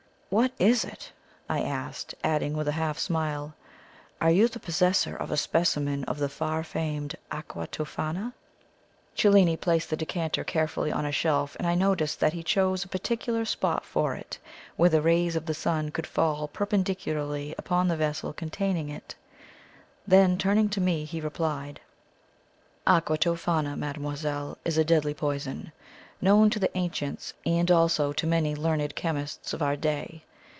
"What is it?" I asked; adding with a half smile, "Are you the possessor of a specimen of the far famed Aqua Tofana?" Cellini placed the decanter carefully on a shelf, and I noticed that he chose a particular spot for it, where the rays of the sun could fall perpendicularly upon the vessel containing it. Then turning to me, he replied: "Aqua Tofana, mademoiselle, is a deadly poison, known to the ancients and also to many learned chemists of our day.